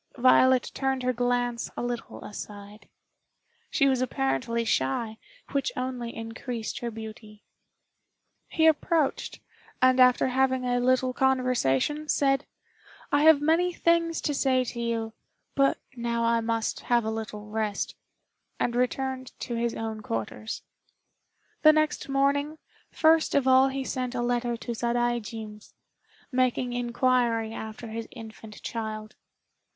Violet turned her glance a little aside. She was apparently shy, which only increased her beauty. He approached, and after having a little conversation, said, "I have many things to say to you, but now I must have a little rest," and returned to his own quarters. The next morning, first of all he sent a letter to Sadaijin's, making inquiry after his infant child.